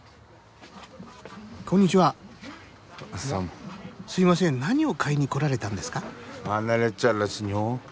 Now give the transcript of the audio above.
すいません何を買いに来られたんですか？